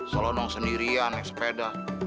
selalu sendirian naik sepeda